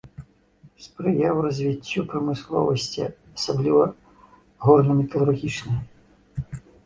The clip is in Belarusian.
Спрыяў развіццю прамысловасці, асабліва горна-металургічнай.